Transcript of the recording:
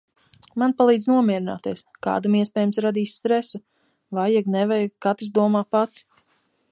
Man palīdz nomierināties, kādam iespējams radīs stresu, vajag, nevajag katrs domā pats.